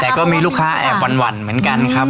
แต่ก็มีลูกค้าแอบหวั่นเหมือนกันครับ